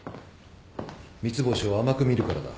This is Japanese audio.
三ツ星を甘く見るからだ。